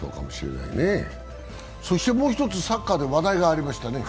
もう１つ、サッカーで話題がありましたね。